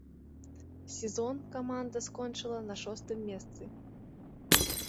Сезон каманда скончыла на шостым месцы.